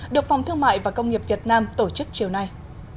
được phòng thương mại và công nghiệp việt nam tổ chức chiều nay